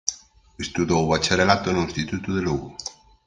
Estudou o bacharelato no Instituto de Lugo.